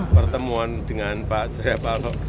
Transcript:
pertemuan dengan pak serebalo